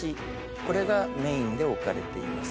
これがメインで置かれています。